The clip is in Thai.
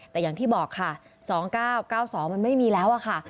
แต่อย่างที่บอกค่ะ๒๙๙๒มันไม่มีแล้วอะค่ะ